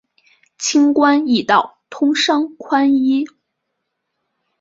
轻关易道，通商宽衣。